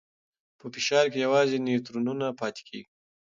په فشار کې یوازې نیوترونونه پاتې کېږي.